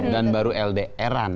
dan baru ldr an